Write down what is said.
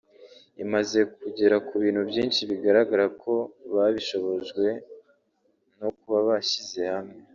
imaze kugera ku bintu byinshi bigaragara ko babishobojwe no kuba bashyize hamwe